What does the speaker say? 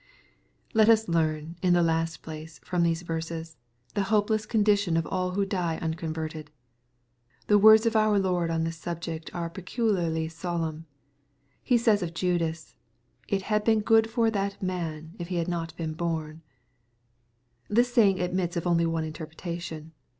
Let us learn, in the last place, from these verses, the hopeless condition ofatl who die unconverted. The words of our Lord on this subject are peculiarly solemn. Ha says of Judas, f^It had been good for that man, if he had not been bom/' This saying admits of only one interpretation.